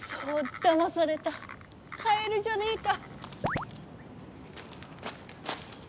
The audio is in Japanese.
だまされたカエルじゃねえか。